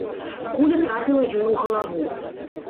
Куля трапіла ёй у галаву.